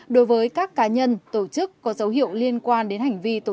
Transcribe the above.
đối với các cá nhân tổ chức có dấu hiệu liên quan đến hành vi tổ chức